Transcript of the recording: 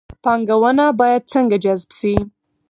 پانګونه باید څنګه جذب شي؟